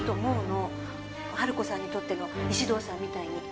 春子さんにとっての石堂さんみたいに。